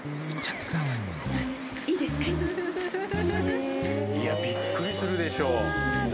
いやびっくりするでしょ。